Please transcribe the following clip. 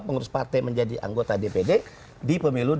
pengurus partai menjadi anggota dpd di pemilu dua ribu dua puluh empat